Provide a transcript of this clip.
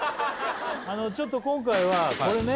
あのちょっと今回はこれね